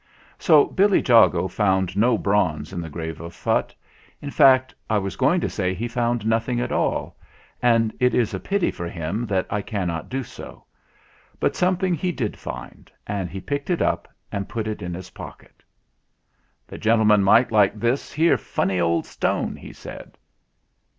So Billy Jago found no bronze in the grave of Phutt; in fact, I was going to say he found nothing at all, and it is a pity for him that I cannot do so; but something he did find, and he picked it up and put it in his pocket. GETS TO WORK AGAIN 75 "The gentleman might like this here funny old stone," he said.